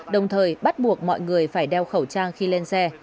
đồng thời bắt buộc mọi người phải đeo khẩu trang khi lên xe